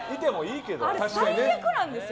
あれ、最悪なんですよ。